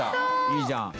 いいじゃん！